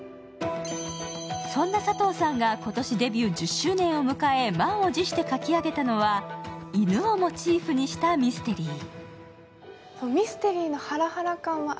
そんな佐藤さんが今年、デビュー１０周年を迎え満を持して書き上げたのは犬をモチーフにしたミステリー。